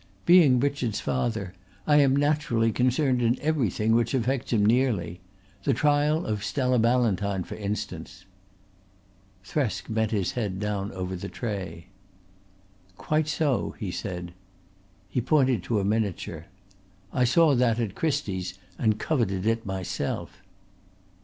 Being Richard's father I am naturally concerned in everything which affects him nearly the trial of Stella Ballantyne for instance." Thresk bent his head down over the tray. "Quite so," he said. He pointed to a miniature. "I saw that at Christie's and coveted it myself."